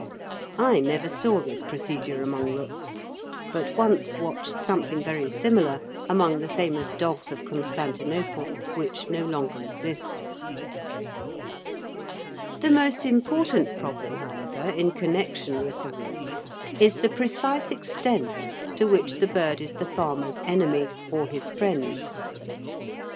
I never saw this procedure among rooks, but once watched something very similar among the famous dogs of Constantinople, which no longer exist. The most important problem however in connection with the rook is the precise extent to which the bird is the farmer's enemy or his friend.